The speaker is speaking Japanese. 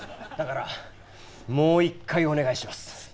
だからもう一回お願いします。